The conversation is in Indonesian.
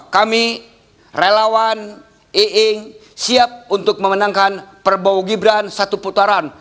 kami relawan eing siap untuk memenangkan prabowo gibran satu putaran